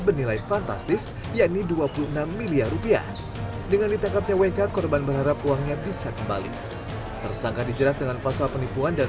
menurut korban tidak akan mencapai keuntungan